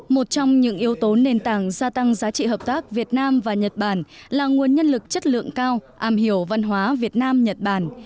một trong những yếu tố nền tảng gia tăng giá trị hợp tác việt nam và nhật bản là nguồn nhân lực chất lượng cao am hiểu văn hóa việt nam nhật bản